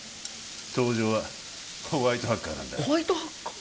東条はホワイトハッカーなんだホワイトハッカー？